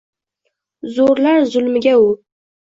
Zo’rlar zulmiga u